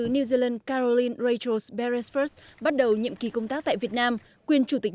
new zealand s caroline rachel beresford bắt đầu nhiệm kỳ công tác tại việt nam quyền chủ tịch